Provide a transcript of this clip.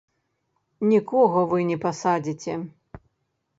Нікога вы не пасадзіце.